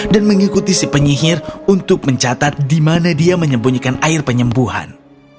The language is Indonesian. dan mengikuti si penyihir untuk mencatat di mana dia menyembunyikan air penyembuhan